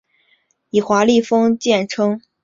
以华丽画风见称。